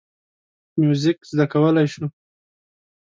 موزیک زده کولی شو.